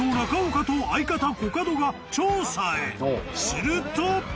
［すると］